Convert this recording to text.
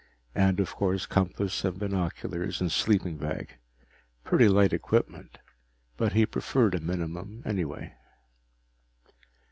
And, of course, compass and binoculars and sleeping bag. Pretty light equipment, but he preferred a minimum anyway.